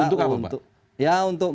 untuk apa pak ya untuk